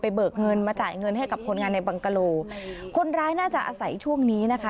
เบิกเงินมาจ่ายเงินให้กับคนงานในบังกะโลคนร้ายน่าจะอาศัยช่วงนี้นะคะ